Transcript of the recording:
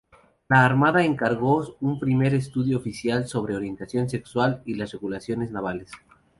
La armada encargó un primer estudio oficial sobre orientación sexual y las regulaciones navales.